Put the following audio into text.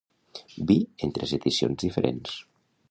Vi en tres edicions diferents.